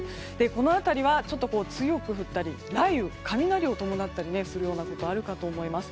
この辺りはちょっと強く降ったり、雷雨雷を伴ったりすることがあるかと思います。